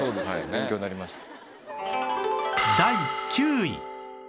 勉強になりました。